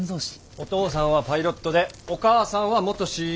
お父さんはパイロットでお母さんは元ＣＡ。